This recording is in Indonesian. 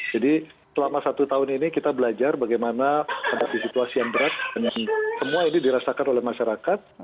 jadi selama satu tahun ini kita belajar bagaimana ada situasi yang berat semua ini dirasakan oleh masyarakat